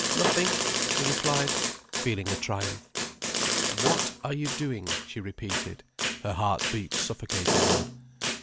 "Nothing," he replied, feeling a triumph. "What are you doing?" she repeated, her heart beat suffocating her.